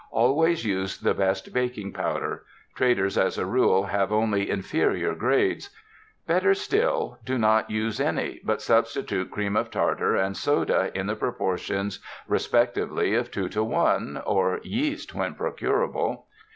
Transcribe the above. Always use the best baking powder. Traders as a rule have only inferior grades. Better still, do not use any, but substitute cream of tartar and soda in the proportions respectively of two to one, or yeast when procurable.